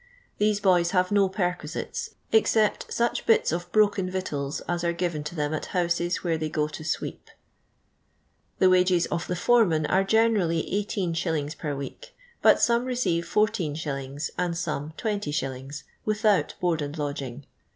The^e boys have no perquisites, except such bits of iiroken victuals as are given tu them at houses where they go to sweep. The wages of the foreman are generally ISa per W(.>ek, but some receive 14a and some 2>il/. without board and lodging.